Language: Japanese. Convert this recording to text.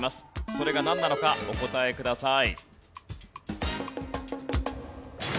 それがなんなのかお答えください。